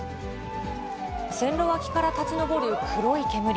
線路脇から立ち上る黒い煙。